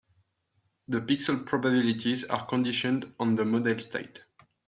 The pixel probabilities are conditioned on the model state.